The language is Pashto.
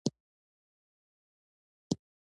ته یوه کورنۍ پوهوې دا حقیقت دی.